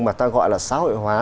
mà ta gọi là xã hội hóa